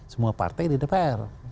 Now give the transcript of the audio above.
semua partai di dpr